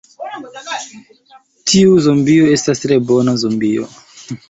Tiu zombio estas tre bona zombio.